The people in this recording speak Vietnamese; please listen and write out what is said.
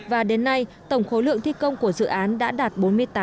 và đến nay tổng khối lượng thi công của dự án đã đạt bốn mươi tám